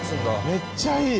めっちゃいい！